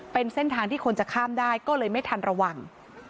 เป็นเส้นทางที่คนจะข้ามได้ก็เลยไม่ทันระวัง